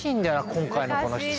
今回のこの質問。